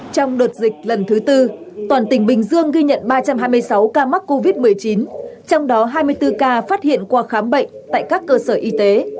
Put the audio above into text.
trong đợt dịch lần thứ tư toàn tỉnh bình dương ghi nhận ba trăm hai mươi sáu ca mắc covid một mươi chín trong đó hai mươi bốn ca phát hiện qua khám bệnh tại các cơ sở y tế